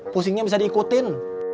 pusingnya bisa diikutin